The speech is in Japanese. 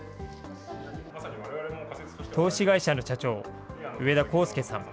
投資会社の社長、上田宏介さん。